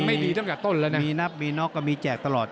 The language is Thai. มีนับมีนอกก็มีแจกตลอด